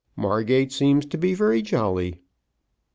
"Margate seems to be very jolly."